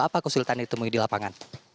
apa kesulitan yang ditemui di lapangan